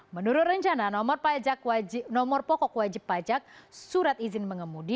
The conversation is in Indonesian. menurut rencana nomor pokok wajib pajak surat izin mengemudi